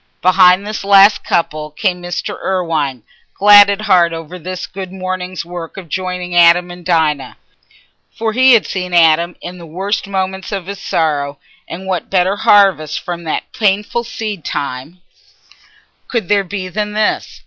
Behind this last couple came Mr. Irwine, glad at heart over this good morning's work of joining Adam and Dinah. For he had seen Adam in the worst moments of his sorrow; and what better harvest from that painful seed time could there be than this?